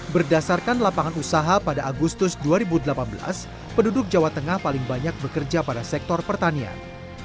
berdasarkan lapangan usaha pada agustus dua ribu delapan belas penduduk jawa tengah paling banyak bekerja pada sektor pertanian